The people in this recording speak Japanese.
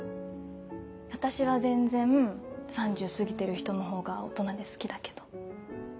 私は全然３０過ぎてる人の方が大人で好きだけど。